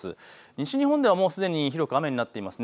西日本ではすでに広く雨になっています。